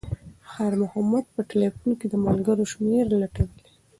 خیر محمد په تلیفون کې د ملګرو شمېرې لټولې.